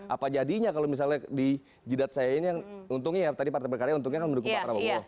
apa jadinya kalau misalnya di jidat saya ini yang untungnya ya tadi partai berkarya untungnya kan mendukung pak prabowo